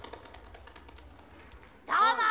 どうも！